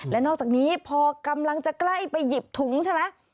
และนอกจากนี้พอกำลังจะใกล้ไปหยิบถุงใช่ไหม